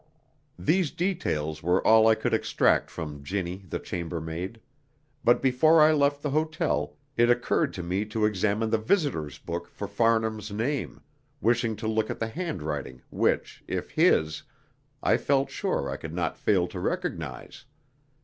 These details were all I could extract from "Ginnie" the chambermaid; but before I left the hotel it occurred to me to examine the visitors' book for Farnham's name, wishing to look at the handwriting which, if his, I felt sure I could not fail to recognise.